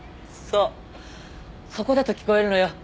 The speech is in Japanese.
そこだと聞こえるのよ。